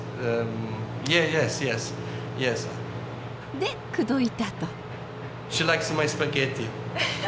で口説いたと。